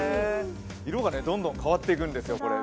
色がどんどん変わっていくんですよ、これ。